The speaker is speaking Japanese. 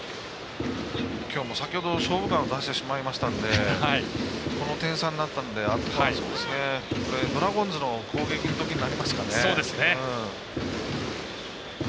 先ほど、「勝負眼」出してしまいましたのでこの点差になったのでこれドラゴンズの攻撃のときになりますかね。